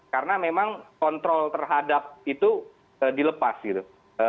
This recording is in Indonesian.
karena memang kontrol terhadap itu dilepas gitu